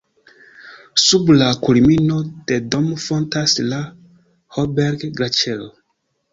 Sub la kulmino de Dom fontas la Hohberg-Glaĉero.